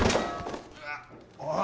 おい！